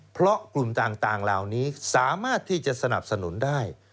เพราะกลุ่มต่างเหล่านี้สามารถที่จะสนับสนุนได้